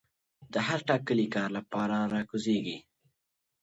د هر ټاکلي کار لپاره را کوزيږي